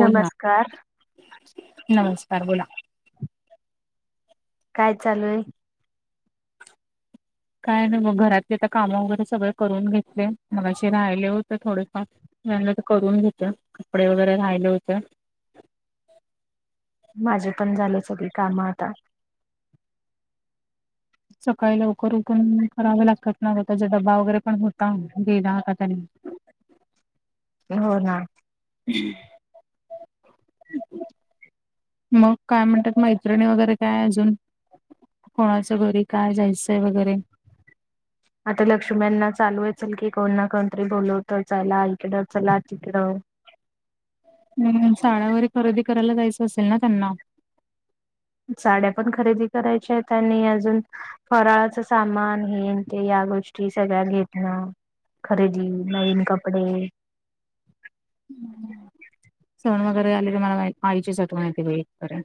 बोल ना, नमस्कार बोला काय चालू ये? काय नही मग घरातली त कामं वगैरे सगळ करून घेतले, मगाशी राहिले होते, थोडेफार. त्यांला तर करून घेत, कपडे वगैरे राहिले होते. माझे पण झालं, सगळी कामं आता. सकाळी लवकर उठून कराव लागतात ना ग, त्याचा डबा वगैरे पण होता, गेला आता त्यानी. हो ना. हम. मग काय म्हणत्यात, मैत्रिणी वगैरे काय अजून? कोणाचं घरी काय जायचंय वगैरे? आता लक्षम्यांना चालू ये, चल की कोणना कोणटरी बोलवत, चला ईकडं, चला तिकडं. ह्म, साड्या वगैरे खरेदी करायला जायचं, असेल ना, त्यांना? साड्या पण खरेदी करायच्यायेत आणि अजून फराळाच सामान हे न ते, या गोष्टी सगळ्याच घेतणं. खरेदी, नवीन कपडे सण वगैरे आले की मला मा-आईचीच आठवण येते [unintelligible] पर्यंत.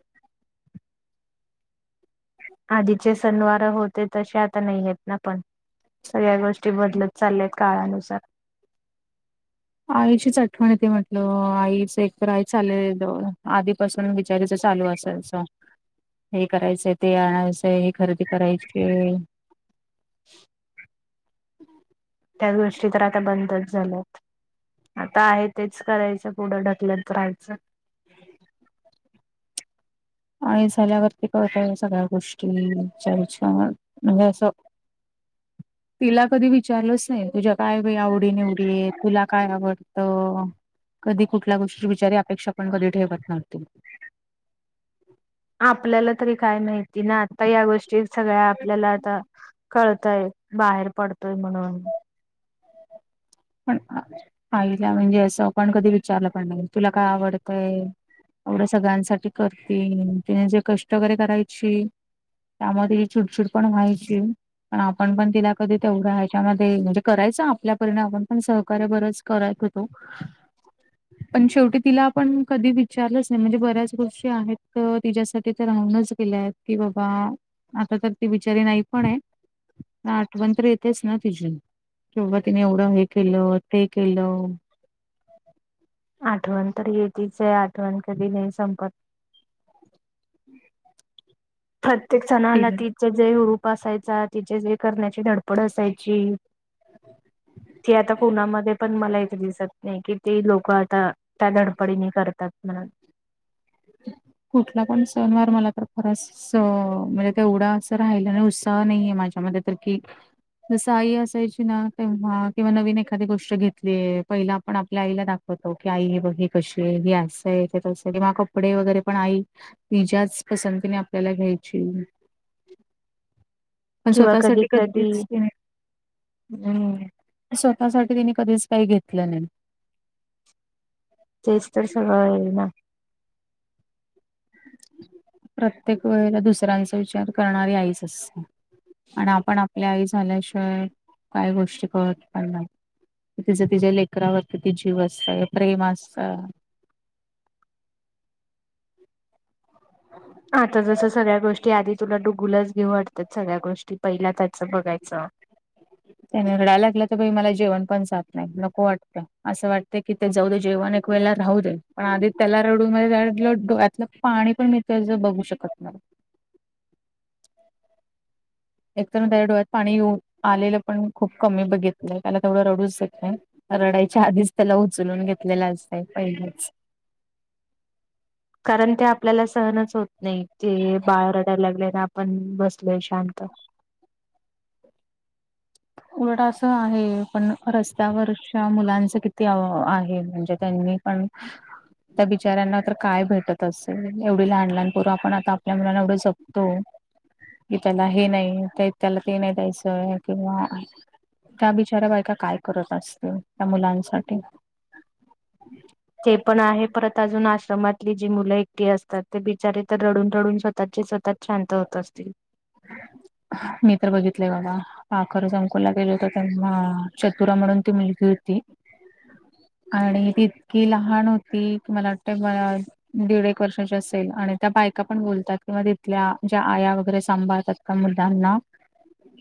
आदिचे सनवार होते, तसे आता नही येत ना, पण. सगळ्या गोष्टी बदलत चालल्या त, काळानुसार आईचीच आठवण येते म्हंटल, आईच एक तर आई चाले, [unintelligible] आधीपासून बीचारीचं चालू असल. च, हे करायचंय, ते आणायचंय, हे खरेदी करायचीये. [inaudible] त्या गोष्टी तर, आता बंदच झाल्यात. आता आहे तेच करायचं, पुुढं ढकलत रहायचं. [inaudible] आई झाल्यावरती कळतय सगळ्या गोष्टी, ईच्या विच्या म्हणजे असं [inaudible] तिला कधी विचारलंच नाही, तुझ्या काय बाई आवडी निवडीये, तुला काय आवडत? कधी कुठल्या गोष्टी बिचारी अपेक्षा, पण कधी ठेवत नव्हती. आपल्याला तरी काय माहिती ना, आता या गोष्टी सगळ्या आपल्याला आता कळताय. बाहेर पडतोय, म्हणून. पण आईला, म्हणजे असं आपण कधी विचारलं पण नाही, तुला काय आवडतंय? एवढं सगळ्यांसाठी करतीये, तिने जे कष्ट वगैरे करायची त्यामूळ, तिची चिडचीड पण व्हायची. पण आपण पण तिला कधी तेवढा ह्याच्यामध्ये म्हणजे करायचं आपल्या परिण आपण. पण सहकार्य बरच करायच होतो. पण शेवटी तिला आपण कधी विचारलंच नाही म्हणजे बऱ्याच गोष्टी आहेत तिच्यासाठी राहूनच गेल्याय कि बाबा आता तर ती बिचारी नाही पण आहे. ना आठवण तर येतेच ना तिचीन तेेव्हा तिने एवढं हे किलो तेे किलो. आठवण तर येेतच आहे आठवण कधी नाही संपत. हम्! प्रत्येक सणाला तिचे जे ररूप असायचा तिचे जे करण्याची धडपड असायची ती आता कणामध्ये पण मला इथे दिसत नाही, कि ते लोक आता त्या धडपडीने करतात म्हणून. कुठला पण सनवार मला तर खराच. स म्हणजे ते एवढा अस राहिला नाही उत्साह नाहीये माझ्या म तर कि जसं आई असायची ना तेव्हा किंवा नवीन एखादी गोष्ट घेतलीय पहिला आपण आपल्या आईला दाखव. ब की आई हे बघी कशी आहे, ही असंय ते तं क मग कपडे वगैरे पण आई तिझ्याच पसंतीने आपल्याला घ्यायची. पण किंवा कधी स्वतःसाठी कधी कधीच नाही. हम्म स्वतःसाठी तिनी कधीच काही घेतलं नाही. तेचेस्टर सगळ आहे ना. प्रत्येक वेळेला दुसऱ्यांचा विचार करणारी आईच असते. आणि आपण आपल्या आई झाल्याशिवाय काय गोष्टी कळत पण नाय. तिचं तिच्या्या लेकरावरतीती जीव असत प्रेम असत. [inaudible] आता जसं सगळ्या गोष्टी आधी तुला डुगुलच घेऊ वाटतात सगळ्या गोष्टी पहिल्या त्याचं बघायचं. त्यानी रडाय लागलं तर मला जेवण पण जात नाही नको वाटतं असं वाटत कि ते जाऊ दे जेवण एक वेळेला राहू दे पण आधी त्याला रडून मध्ये त्यातलं पाणी पण मि त्याज बघू शकत [unintelligible] एक तरण त्याया डोळ्यात पाणी येऊ आलेलं पण खूप कमी बघितलंय त्याला तेथवडं रडूच देत नाही. रडाईच्या आधीच त्याला उचलून घेतलेलं असत पहिलेच. कारण ते आपल्याला सहनच होत नाही ते बाळ रडायला लागले ना आपण बसलोय शांत. उलट अस आहे पण रस्त्यावरच्या मुलांच किती ते आहे म्हणजे त्यांनी पण त्या बिचऱ्यांना तर काय भेटत असेल एवढी लहान लहानपूर्व आपण आ आपल्या मुलाना एवढं जप तो की त्याला हे नाही त्याला ते नाही द्यायचं किंवा त्या बिचारा बायका काय करत असतील त्या मुलांसाठी. ते पण आहे परत अजून आश्रमातली जी मुलं एकटी असतात ते बिचारे तर रडून रडून स्वतःचे स्वता शांत होत असतील. [inaudible] मी तर बघितलेय बबा. आ खर संकुला गेलं होता त्यांना चतुरा म्हणून ती मुलगी होती. आणि ती इतकी लहान होती की मला वाटतें ब दीड एक वर्षाची असेल आणि त्या बायका पण बोलतात किंवा तिथल्या ज्या आया वगैरे सांभाळतात त्या मुलांना.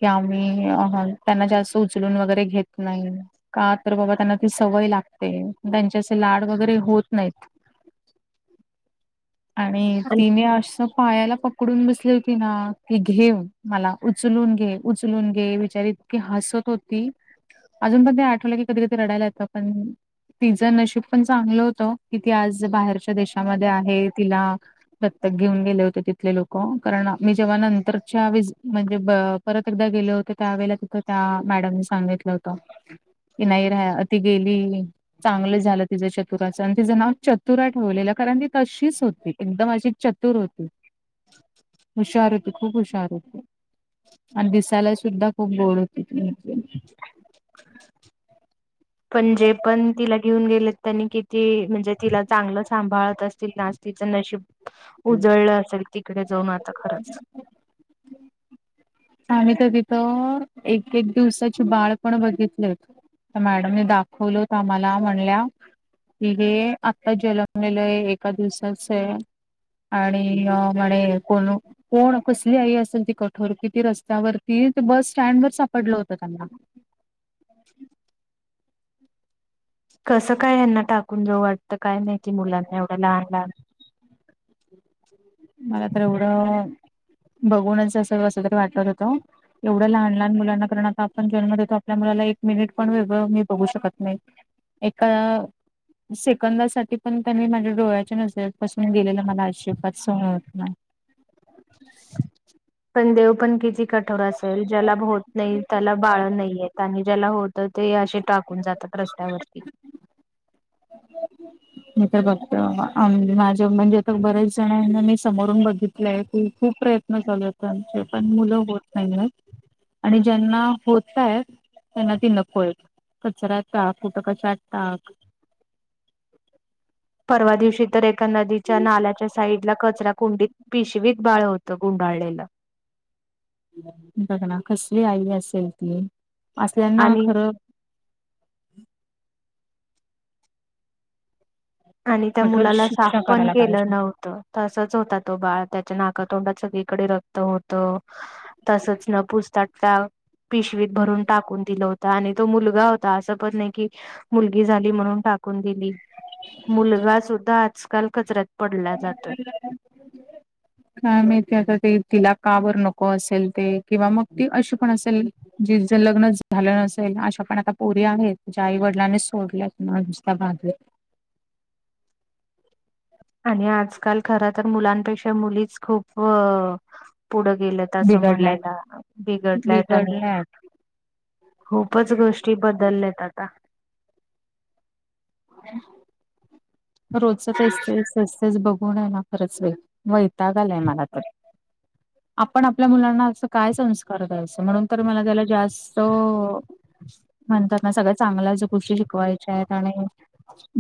कि आम्ही त्यांना जास्त उचलून वगैरे घेत नाही. का तर बाबा त्यांना ती सवय लागते त्यांच्याचे लाड वगैरे होत नाहीत. [unintelligible] आणि तिने असं पायाला पकडून बसली होती ना की घे मला उचलून घे उचलून घे बिचारी इतकी हसत होती. अजून पण ते आठवलं की कधी कधी रडायला येतं पण तिज नशीब पण चांगलं होतं ओ की ती आज बाहेरच्या देशामध्ये आहे तिला दत्तक घेऊन गेले होते तिथले लोक कारण मी जेव्हा नंतरच्या वीस म्हणजे ब परत एकदा गेले होते त्यावेेळेला तिथ त्या मॅडमने सांगितलं होत त की नाही राया ती गेली चांगलं झालं तिचं चतुराचं आणि तिचं नाव चतुरा ठेवलेलं कारण ती तशीच होती एकदम अशी चत्त तूर होती. हुशार होती खूप हुशार होती आणि दिसायला सुद्धा खूप गोड होती ती मुलगी [inaudible] पण जे पण तिला घेऊन गेलेत त्यांनी किती म्हणजे तिला चांगलं सांभाळत अस तील नं आज तीच नशीब उजळलं असेल तिकडे जाऊन आता खरंच आम्ही त तिथं एक एक दिवसाची बाळ पण बघितलेत. त्या मॅडमनी दाखवलत आम्हाला म्हणल्या की हे आता जन्मलेलं ये एका दिवसाचय. आणि म्हणे कोण कोण कसली आई असेल ती कठोर की ती रस्त्यावरती ते बस स्टँड वर सापडलं होतं त्यांना कसं काय ह्यांना टाकून जावू वाटतं काय माहिती मुलांना एवढं लहान लहान मला तर एवढं बघूनच अस कस तरी वाटत होतं ओ एवढं लहान लहान मुलांना करण आता आपण जन्म देतो आपल्या मुलाला एक मिनिट पण वेगळं मी बघू शकत नाही. एका सेकंदासाठी पण त्यांनी माझ्या डोळ्याच्या नजरेपासून गेलेल मला आजिबात सहन होत नाय. पण देव पण किती कठोर असल ज्याला होत नाही त्याला बाळ नाहीयेत आणि ज्याला होत त ते असे टाकून जातात रस्त्यावरती [inaudible] मी तर फक्त आमं माझ्या म्हणजे आता बऱ्याच जणांना मी समोरून बघितलंय तू खूप प्रयत् प्रयत्न चालू येत त्यांचे पण मुलं होत नाहीयेत आणि ज्यांना होतायेत त्यांना ती नकोयेत कचऱ्यात टाक कुट कशात टाक परवा दिवशी तर एका नदीच्या नाल्याच्या साईडला कचरा कुंडीत पिशवीत बाळ होत गुंडाळलेलं. बघ ना कसली आई असेल ती असल्याना आणि खरं आणि त्या कठोर मुलाला साफ शिक्षा पण करायला केलं पाहिजे. नव्हतं. तसाच होता तो बाळ त्याच्या नाकातोंडात सगळीकडे रक्त होत तसच न पूसता टाक पिशवीत भरून टाकून दिलं होत आणि तो मुलगा होता असं पण नाय की, मुलगी झाली म्हणून टाकून दि मुलगा सुुद्धा आजकाल कचऱ्यात पडला जातोय. काय माहित आता ते तिला का बरं नको असेल ते किंवा मग ती अशी पण असेल जीच लग्नचं झालं नसेल अशा पण आता पोरी आहेत ज्या आईवडिलांने सोडल्यात ना [unintelligible] आणि आजकाल खर तर मुलांपेक्षा मुलीच खूप अ पुढं गेल्यात तस बिघडल्यात म्हणायला बिघडल्यात आणि बिघडल्यात खूपच गोष्टी बदलल्यात आता व्हय. रोजच तेच ते तेच बघून हाय ना खरंच बाई, वैताग आलाय मला तर. आपण आपल्या मुलांना असं काय संस्कार द्यायचं? म्हणून तर मला त्याला जास्त अ म्हणतात. ना सगळ्या चांगल्याच गोष्टी शिकवायच्या आहेत आणि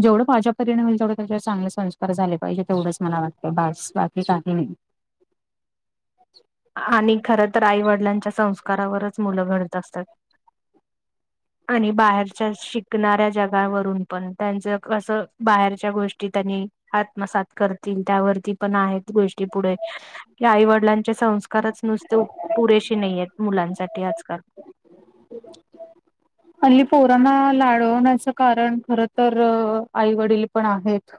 जेवढ माझ्या परीनं तेवढे त्याच्यावर चांगले संस्कार झाले पाहिजे. तेवढंच मला वाटतं, बस बास बाकी काही नाही. आणि हा खर तर आई वडिलांच्या संस्कारावरच मुलं घडत असतात. आणि बाहेरच्या शिकणाऱ्या जगावरून पण, त्यांचं कसं बाहेरच्या गोष्टी त्यांनी आत्मसात करतील. त्यावरती पण आहेत गोष्टी पुढे की, आई वडिलां चे संस्कारच नुसते पुरेशे नाही आहेत मुलांसाठी आजकाल. [inaudible] हल्ली पोरांना लाढवण्याचं कारण, खर तर आई वडील पण आहेत.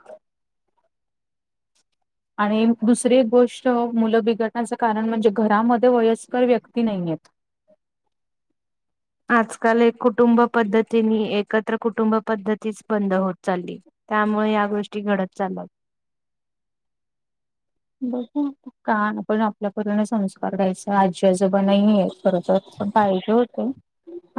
आणि दुसरी एक गोष्ट मुलं बिघडण्याचं कारण म्हणजे घरामध्ये वयस्कर व्यक्ती नाहीयेत. आजकाल एक कुटुंब पद्धतीनी एकत्र कुटुंब पद्धतीच बंद होत चालली. त्यामुळे या गोष्टी घडत चालल्यात. बघ का आपण आपल्यापरीन संस्कार द्यायचा, आजी आजोबा नाहीयेत. खरच पण पाहिजे होत.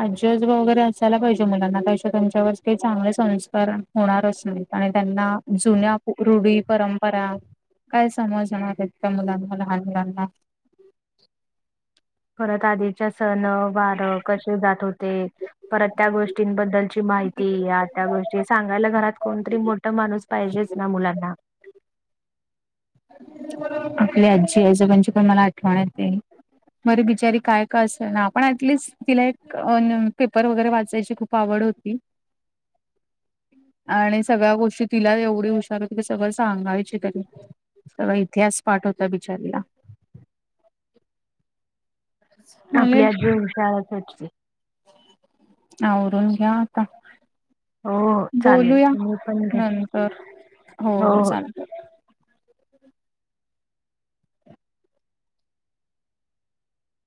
आजी आजोबा वगैरे असायला पाहिजे मुलांना, त्याशिवाय त्यांच्यावर काही चांगले संस्कार होणारच नाही आणि त्यांना जुन्या रुढी, परंपरा काय समजणार आहेत त्या मुलांना लहान मुलांना? परत आधीच्या सण, वार कसे जात होते? परत त्या गोष्टींबद्दलची माहिती, या त्या गोष्टी सांगायला घरात कोणतरी मोठ माणूस पाहिजेच ना मुलांना? आपली आजी आजोबांची पण मला आठवण येते. बर बिचारी काय का असे ना, पण ऍटलीस् तिला एक अ पेपर वगैरे वाचायची खूप आवड होती. [inaudible] आणि सगळ्या गोष्टी तिला एवढी हुशार हो ति सगळं सांगायची तरी तर इतिहास पाठ होत नाही बिचारीला. आपल्या चालेल आजी हुशार [unintelligible] आवरून घ्या आता. हो हो चालेल बोलूया तुम्ही पण घ्या नंतर, हो हो चालतय.